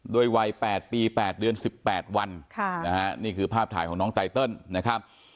โดยวัย๘ปี๘เดือน๑๘วันนี่คือภาพถ่ายของน้องไตเติลนะครับ